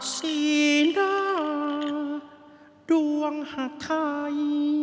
สีหน้าดวงหาทัย